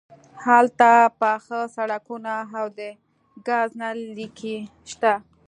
هلته پاخه سړکونه او د ګاز نل لیکې شته